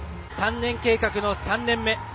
３年計画の３年目。